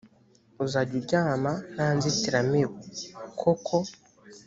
uzajya uryama ntanzitiramibu koko